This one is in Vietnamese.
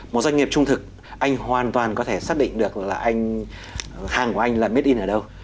một doanh nghiệp trung thực anh hoàn toàn có thể xác định được là hàng của anh là made in ở đâu